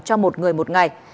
cho một người một ngày